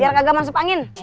biar kagak masuk angin